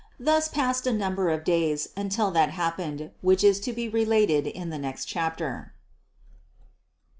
Thus passed a number of days, until that happened, which is to be related in the next chapter.